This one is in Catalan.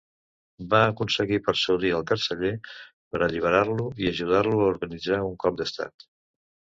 Va aconseguir persuadir al carceller per alliberar-lo i ajudar-lo a organitzar un cop d'Estat.